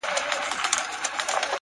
هغي نجلۍ چي زما له روحه به یې ساه شړله’